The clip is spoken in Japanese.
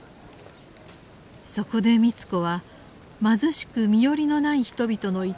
そこで美津子は貧しく身寄りのない人々の遺体を